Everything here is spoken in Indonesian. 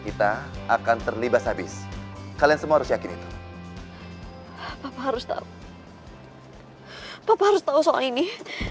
kita akan terlibat habis kalian semua harus yakin itu apa harus tahu papa harus tahu soal ini